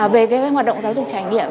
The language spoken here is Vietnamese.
về cái hoạt động giáo dục trải nghiệm